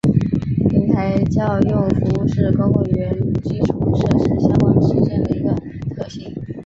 平台叫用服务是公共语言基础设施相关实现的一个特性。